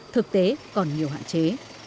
thực tế còn nhiều hạn chế